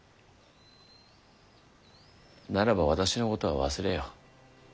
ならば私のことは忘れよ。